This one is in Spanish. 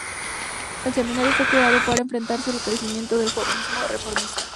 El seminario, fue creado para enfrentarse al crecimiento del judaísmo reformista.